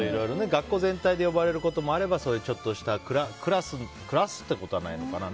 学校全体で呼ばれることもあればちょっとしたクラスってことはないのかな。